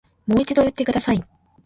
もう一度言ってください